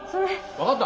分かった！